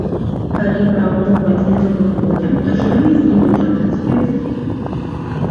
Калі параўноўваць з мінулым годам, то шанец, нібыта, у нас ёсць.